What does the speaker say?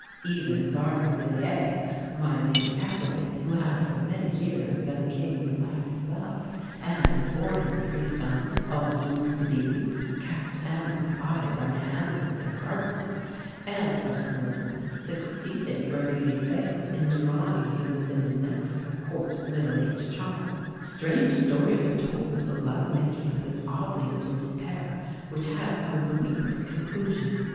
Even Barbara Villiers, my Lady Castlemaine, who had for many years been the King's "light o' love," and had borne him three sons, all Dukes to be, cast amorous eyes on the handsome young Guardsman; and, what is more, succeeded where beauty failed, in drawing him within the net of her coarse, middle aged charms. Strange stories are told of the love making of this oddly assorted pair, which had a ludicrous conclusion.